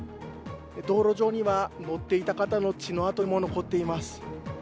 道路上には乗っていた方の血のあとも残っています。